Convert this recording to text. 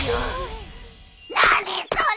何それ！